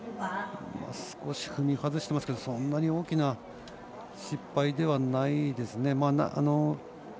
少し踏み外してますけどそんなに大きな失敗ではないです。